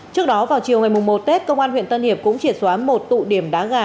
trước đó vào chiều ngày một tết công an huyện tân hiệp cũng triệt xóa một tụ điểm đá gà